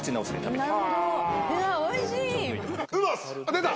出た！